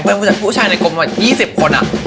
เพื่อนผู้ชายในกลม๒๐คน